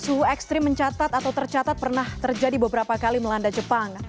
suhu ekstrim mencatat atau tercatat pernah terjadi beberapa kali melanda jepang